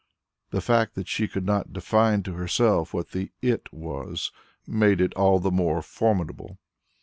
The fact that she could not define to herself what the "it" was, made it all the more formidable.